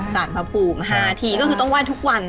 สารพระภูมิ๕ทีก็คือต้องไหว้ทุกวัน